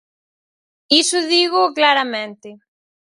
Iso dígoo claramente.